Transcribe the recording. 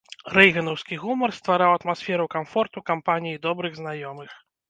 Рэйганаўскі гумар ствараў атмасферу камфорту кампаніі добрых знаёмых.